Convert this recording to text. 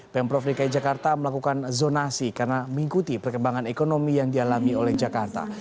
pemprov dki jakarta melakukan zonasi karena mengikuti perkembangan ekonomi yang dialami oleh jakarta